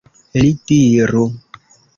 Li diru!